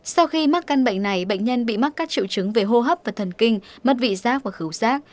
sau khi mắc căn bệnh này bệnh nhân bị mắc các triệu chứng về hô hấp và thần kinh mất vị giác và cứu giác